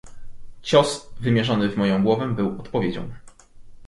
"Cios, wymierzony w moją głowę, był odpowiedzią."